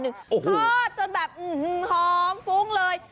ทอดจนแบบหอมฟุ้งเลย